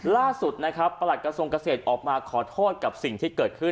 ล่าสุดนะครับประหลัดกระทรวงเกษตรออกมาขอโทษกับสิ่งที่เกิดขึ้น